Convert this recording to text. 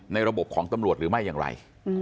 ระบบของตำรวจหรือไม่อย่างไร